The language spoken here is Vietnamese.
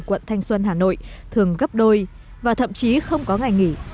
quận thanh xuân hà nội thường gấp đôi và thậm chí không có ngày nghỉ